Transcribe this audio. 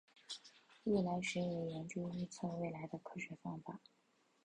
未来学也研究预测未来的科学方法。